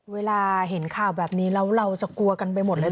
เวลาเห็นข่าวแบบนี้แล้วเราจะกลัวกันไปหมดเลย